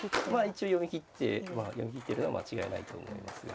一応読み切っているのは間違いないと思いますが。